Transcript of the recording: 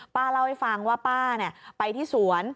ป้าเล่าให้ฟังว่าป้าไปที่สวน